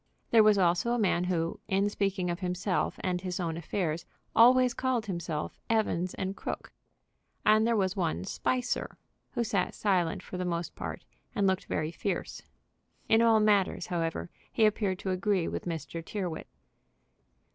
There was also a man who, in speaking of himself and his own affairs, always called himself Evans & Crooke. And there was one Spicer, who sat silent for the most part, and looked very fierce. In all matters, however, he appeared to agree with Mr. Tyrrwhit.